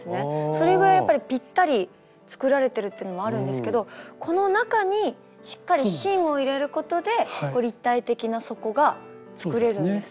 それぐらいやっぱりぴったり作られてるってのもあるんですけどこの中にしっかり芯を入れることで立体的な底が作れるんですね。